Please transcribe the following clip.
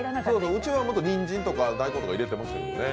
うちは、にんじんとか大根とか入れてましたけどね。